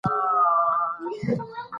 د لاسته راوړلو لارې بېلې دي.